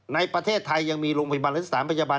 ในประเทศไทยยังมีโรงพยาบาลและสถานพยาบาล